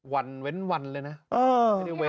วันเว้นวันเลยนะเออ